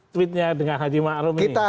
tweetnya dengan haji ma'ruf ini